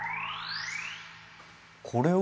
これは？